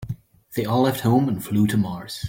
They all left home and flew to Mars.